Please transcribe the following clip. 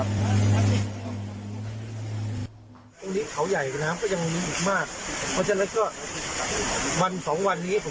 ตรงนี้เขาใหญ่กันนะครับก็ยังมีอีกมาก